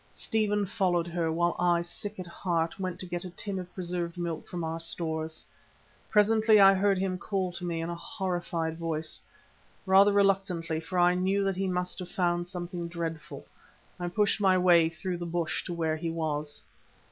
Stephen followed her, while I, sick at heart, went to get a tin of preserved milk from our stores. Presently I heard him call to me in a horrified voice. Rather reluctantly, for I knew that he must have found something dreadful, I pushed my way through the bush to where he was.